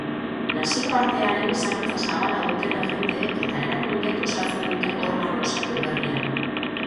Nazioartearen ezagutza zabala duten agenteek eta erakundeek osatzen dute organo osatu berria.